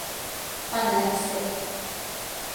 ปั่นแล็บเสร็จ